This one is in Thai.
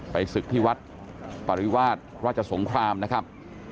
ศึกที่วัดปริวาสราชสงครามนะครับ